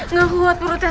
nggak kuat mulutnya sa